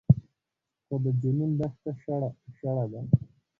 خو د جنون دښته شړه ده